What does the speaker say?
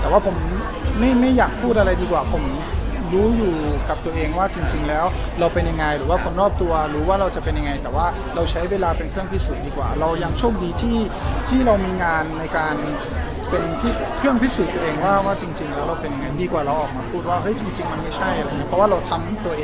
แต่ว่าผมไม่อยากพูดอะไรดีกว่าผมรู้อยู่กับตัวเองว่าจริงแล้วเราเป็นยังไงหรือว่าคนรอบตัวรู้ว่าเราจะเป็นยังไงแต่ว่าเราใช้เวลาเป็นเครื่องพิสูจน์ดีกว่าเรายังโชคดีที่เรามีงานในการเป็นเครื่องพิสูจน์ตัวเองว่าจริงแล้วเราเป็นไงดีกว่าเราออกมาพูดว่าเฮ้ยจริงมันไม่ใช่อะไรอย่างนี้เพราะว่าเราทำตัวเอง